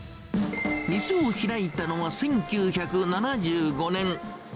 店を開いたのは１９７５年。